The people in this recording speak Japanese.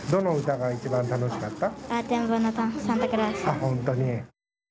あっ本当に。